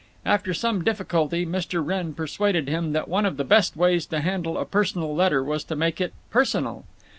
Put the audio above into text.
After some difficulty Mr. Wrenn persuaded him that one of the best ways to handle a personal letter was to make it personal.